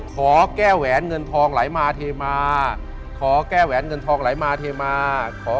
ขอแก้แหวนเงินทองไหลมาเทมา